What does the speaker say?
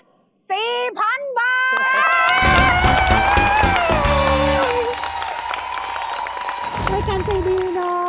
รายการใจดีเนาะ